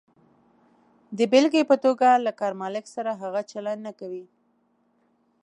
د بېلګې په توګه، له کار مالک سره هغه چلند نه کوئ.